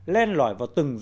lên lỏi vào từng đất nước